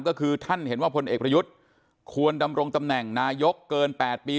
ก็คือท่านเห็นว่าพลเอกประยุทธ์ควรดำรงตำแหน่งนายกเกิน๘ปี